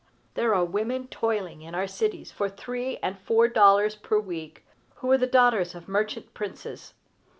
There are women toiling in our cities for three and four dollars per week, who were the daughters of merchant princes.